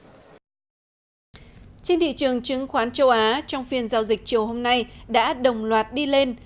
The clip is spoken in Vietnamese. trên thị trường chứng khoán châu á trong phiên giao dịch chiều hôm nay đã đồng loạt đi lên